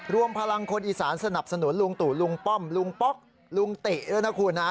รวมพลังคนอีสานสนับสนุนลุงตู่ลุงป้อมลุงป๊อกลุงติด้วยนะคุณฮะ